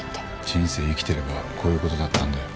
人生生きてればこういう事だってあるんだよ。